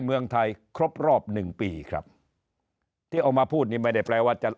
เมืองไทยครบรอบหนึ่งปีครับที่เอามาพูดนี่ไม่ได้แปลว่าจะ